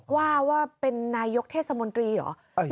ว่าว่าเป็นนายกเทศมนตรีเหรอ